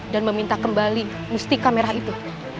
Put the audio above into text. meminta kembali mustika merah itu